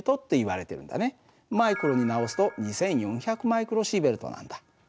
マイクロに直すと２，４００マイクロシーベルトなんだ。